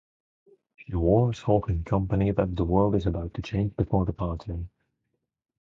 She warns Hawke and company that the world is about to change before departing.